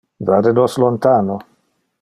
Vade nos lontano?